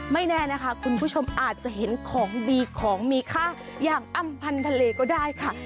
ไม่แน่นะคะคุณผู้ชมอาจจะเห็นของดีของมีค่าอย่างอำพันธ์ทะเลก็ได้ค่ะ